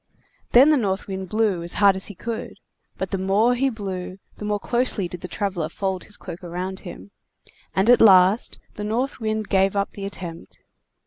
Then the North Wind blew as hard as he could, but the more he blew the more closely did the traveler fold his cloak around him; and at last the North Wind gave up the attempt.